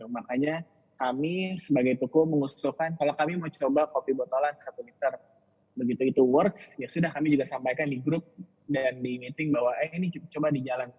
makanya kami sebagai toko mengusulkan kalau kami mau coba kopi botolan satu liter begitu itu world ya sudah kami juga sampaikan di grup dan di meeting bahwa eh ini coba di jalan